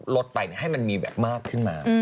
ลดไปให้มันมีแบบมากขึ้นมา